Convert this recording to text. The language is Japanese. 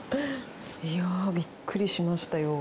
いやびっくりしましたよ。